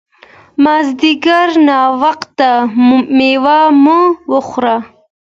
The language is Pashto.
مازیګر ناوخته مېوه مو وخوړه.